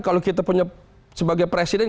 kalau kita punya sebagai presiden